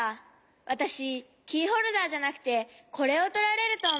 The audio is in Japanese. わたしキーホルダーじゃなくてこれをとられるとおもって。